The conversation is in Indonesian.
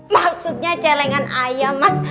maksudnya celengan ayam maks